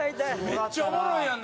めっちゃおもろいやん。